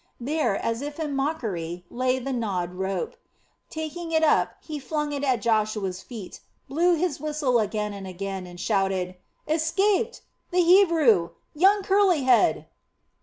There, as if in mockery, lay the gnawed rope. Taking it up, he flung it at Joshua's feet, blew his whistle again and again, and shouted: "Escaped! The Hebrew! Young Curly head!"